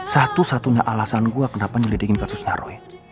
satu satunya alasan gue kenapa nyelidikin kasusnya roy